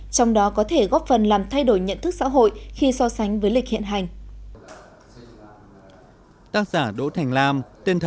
trong đó có thể góp phần làm thay đổi nhận thức xã hội khi so sánh với lịch hiện hành